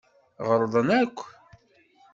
Ɣelḍen akk.